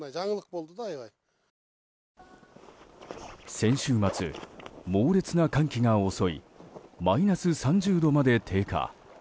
先週末、猛烈な寒気が襲いマイナス３０度まで低下。